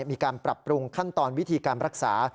มีการปรับปรุงขั้นตอนวิธีการรักษา